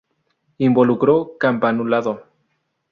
Involucro campanulado.